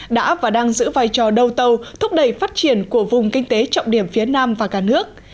đã và đang giữ vai trò đầu tàu thúc đẩy phát triển của vùng kinh tế trọng điểm phía nam và cả nước